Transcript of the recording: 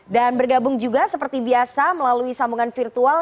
dan bergabung juga seperti biasa melalui sambungan virtual